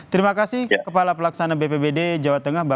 terima kasih kepala pelaksana bpbd jawa tengah